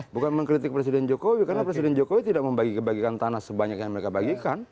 bukan mengkritik presiden jokowi karena presiden jokowi tidak membagi bagikan tanah sebanyak yang mereka bagikan